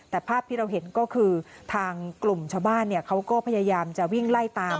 แต่ภาพที่เราเห็นก็คือทางกลุ่มชาวบ้านเขาก็พยายามจะวิ่งไล่ตาม